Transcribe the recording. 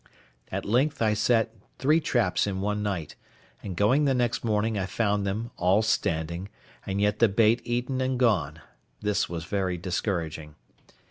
At length I set three traps in one night, and going the next morning I found them, all standing, and yet the bait eaten and gone; this was very discouraging.